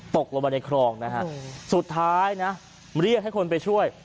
ตกลงมาในคลองนะฮะสุดท้ายนะเรียกให้คนไปช่วย